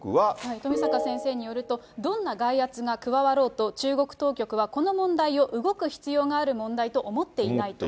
富坂先生によると、どんな外圧が加わろうと、中国当局はこの問題を動く必要がある問題と思っていないと。